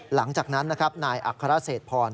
หลังจากนั้นนายอัคครเศษภร